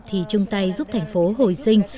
thì chung tay giúp thành phố hồi sinh